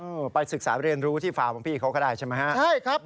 ไปศึกษาเรียนรู้ที่ฟาร์มของพี่เขาก็ได้ใช่ไหมฮะใช่ครับ